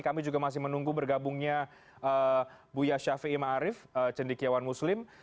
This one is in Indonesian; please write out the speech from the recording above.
kami juga masih menunggu bergabungnya buya syafi'i ma'arif cendikiawan muslim